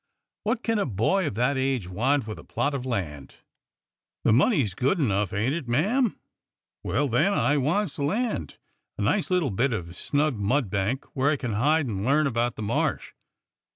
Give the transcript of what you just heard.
^ What can a boy of that age want with a plot of land.^ " "The money's good enough, ain't it, ma'am.'^ Very well, then, I wants land. A nice little bit of snug mud bank where I can hide and learn about the Marsh.